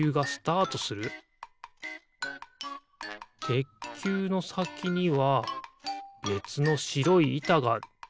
てっきゅうのさきにはべつのしろいいたがある。